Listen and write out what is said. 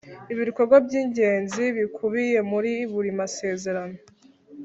ibikorwa by’ingenzi bikubiye muri buri masezerano